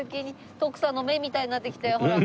徳さんの目みたいになってきたよほら。